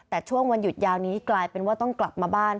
แต่ช่วงวันหยุดยาวนี้กลายเป็นว่าต้องกลับมาบ้าน